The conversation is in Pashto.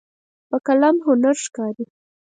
په قلم هنر ښکاري.